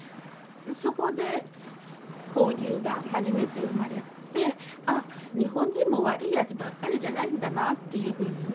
そこで交流が初めて生まれてあっ日本人も悪いやつばっかりじゃないんだなっていうふうにね